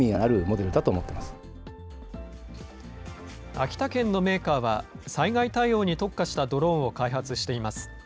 秋田県のメーカーは、災害対応に特化したドローンを開発しています。